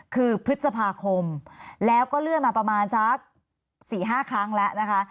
คือพฤษภาคมแล้วก็เลื่อนมาประมาณสัก๔๕ครั้งแล้วนะคะ